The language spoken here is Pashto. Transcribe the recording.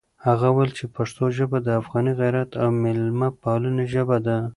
هغه وویل چې پښتو ژبه د افغاني غیرت او مېلمه پالنې ژبه ده.